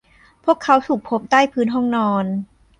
พวกเขาถูกพบใต้พื้นห้องนอน